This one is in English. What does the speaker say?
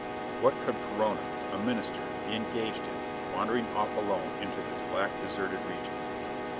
What could Perona, a Minister, be engaged in, wandering off alone into this black, deserted region?